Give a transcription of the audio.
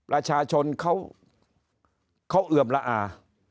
ประชาชนเขาเอือมละอา